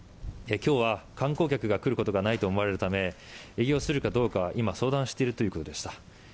今日は観光客が来ることがないと思われるため営業するかどうか今、相談しているということでした。